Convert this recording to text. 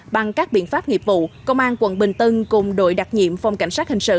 bằng các biện pháp nghiệp vụ công an quận bình tân cùng đội đặc nhiệm phòng cảnh sát hình sự